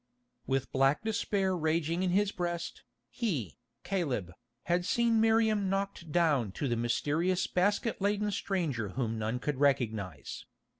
With black despair raging in his breast, he, Caleb, had seen Miriam knocked down to the mysterious basket laden stranger whom none could recognise.